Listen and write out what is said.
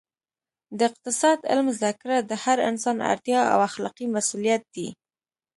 د اقتصاد علم زده کړه د هر انسان اړتیا او اخلاقي مسوولیت دی